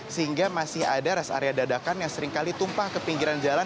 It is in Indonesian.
sehingga masih ada rest area dadakan yang seringkali tumpah ke pinggiran jalan